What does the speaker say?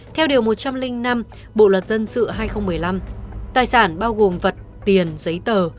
theo điều một trăm linh năm bộ luật dân sự hai nghìn một mươi năm tài sản bao gồm vật tiền giấy tờ